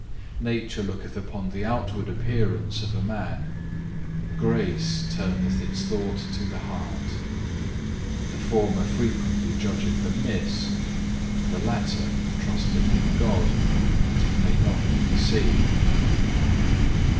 Nature looketh upon the outward appearance of a man, grace turneth its thought to the heart. The former frequently judgeth amiss; the latter trusteth in God, that it may not be deceived.